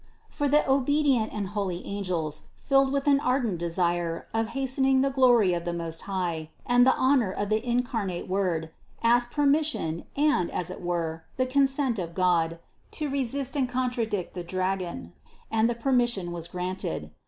For the obedient and holy angels, filled with an ardent desire of hastening the glory of the Most High and the honor of the incarnate Word, asked permission and, as it were, the consent of God, to resist and contradict the dragon, and the per mission was granted.